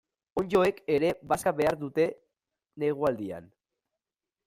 Onddoek ere bazka behar dute negualdian.